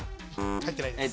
入ってないです。